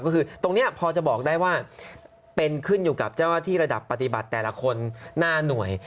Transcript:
ก็คือตรงนี้พอจะบอกได้ว่าเป็นขึ้นอยู่กับเจ้าหน้าที่ระดับปฏิบัติแต่ละคนหน้าหน่วย